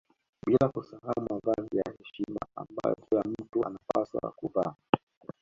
Bila kusahau mavazi ya heshima ambayo kila mtu anapaswa kuvaa